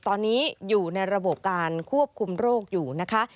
ตอนนี้อยู่ในระบบการควบคุมโรคอยู่นะคะ